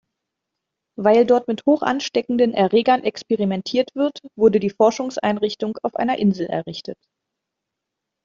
Weil dort mit hochansteckenden Erregern experimentiert wird, wurde die Forschungseinrichtung auf einer Insel errichtet.